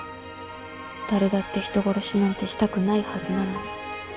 誰だって人殺しなんてしたくないはずなのに。